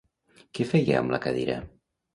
Què feia amb la cadira?